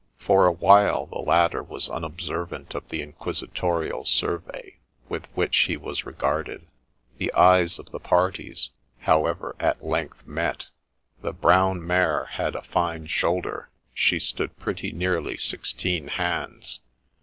For a while the latter was unobservant of the inquisitorial survey with which he was regarded ; the eyes of the parties, however, at length met. The brown mare had a fine shoulder ; she stood pretty nearly sixteen hands.